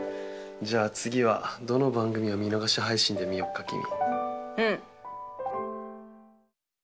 じゃあ次はどの番組を見逃し配信で見よっかキミ。